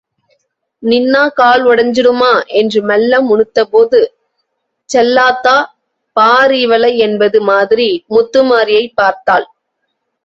நின்னா கால் ஒடுஞ்சுடுமா... என்று மெல்ல முணுத்தபோது, செல்லாத்தா, பாரு இவள... என்பது மாதிரி முத்துமாரியைப் பார்த்தாள்.